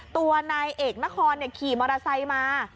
ตัวนายเอกนครขี่มอเตอร์ไซค์มา